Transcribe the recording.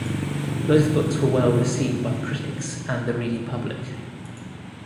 Both books were well received by critics and the reading public.